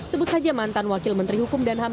sebut saja mantan wakil menteri hukum dan ham